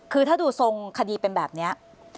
คือถ้าดูทรงคดีเป็นแบบนี้